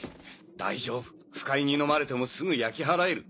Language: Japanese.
大丈夫腐海にのまれてもすぐ焼き払える。